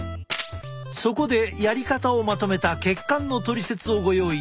そこでやり方をまとめた血管のトリセツをご用意した。